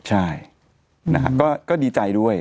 ใช่ก็ดีใจด้วย